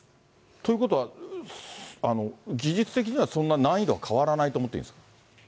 ということは、技術的にはそんな難易度は変わらないと思っていいんですか。